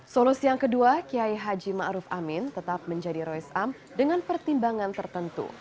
solusi yang kedua kiai haji ma'ruf amin tetap menjadi rois am dengan pertimbangan tertentu